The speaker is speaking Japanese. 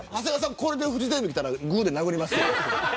これでフジテレビ来たらグーで殴りますよ。